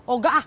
oh enggak ah